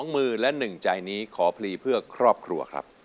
มือและ๑ใจนี้ขอพลีเพื่อครอบครัวครับ